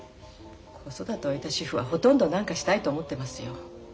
子育て終えた主婦はほとんど何かしたいと思ってますよ。